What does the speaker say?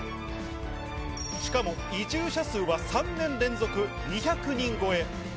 しかも移住者数は３年連続２００人超え。